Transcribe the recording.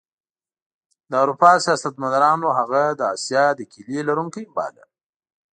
د اروپا سیاستمدارانو هغه د اسیا د کیلي لرونکی باله.